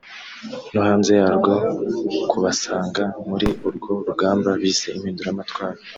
no hanze yarwo kubasanga muri urwo rugamba bise impinduramatwara